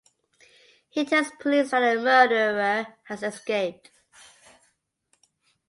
He tells police that the murderer has escaped.